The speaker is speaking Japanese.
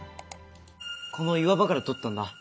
この岩場から撮ったんだ。